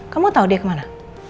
kamu tau dia kemana